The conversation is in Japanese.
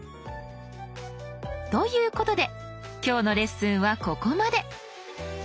ということで今日のレッスンはここまで。